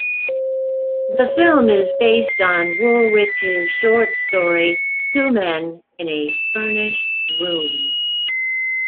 The film is based on Woolrich's short story "Two Men in a Furnished Room".